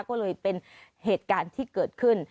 ก็เลยเป็นเหตุการณ์ที่เกิดขึ้น